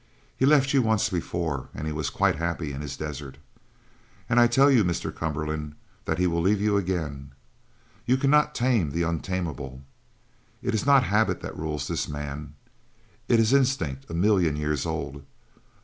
He left you once before and he was quite happy in his desert. And I tell you, Mr. Cumberland, that he will leave you again. You cannot tame the untameable. It is not habit that rules this man. It is instinct a million years old.